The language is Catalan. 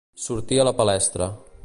Sortir a la palestra.